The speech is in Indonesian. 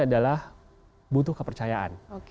adalah butuh kepercayaan